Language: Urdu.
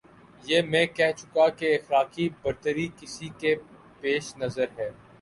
یہ میں کہہ چکا کہ اخلاقی برتری کسی کے پیش نظر ہے۔